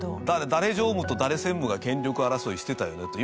だから「誰常務と誰専務が権力争いしてたよね」。